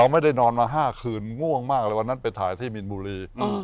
ไม่ได้นอนมา๕คืนง่วงมากเลยวันนั้นไปถ่ายที่มีนบุรี